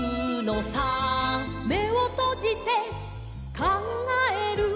「めをとじてかんがえる」